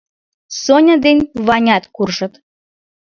Соня ден Ванят куржыт.